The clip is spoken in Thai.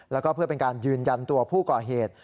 แล้วก็เพื่อเป็นการยืนยันตัวผู้ก่อเหตุ